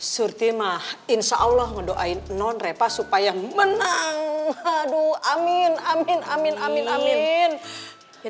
surti mah insyaallah nge doain nonrepa supaya menang haduh amin amin amin amin amin amin